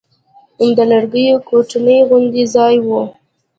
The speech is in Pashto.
د لرګيو کوټنۍ غوندې ځاى و.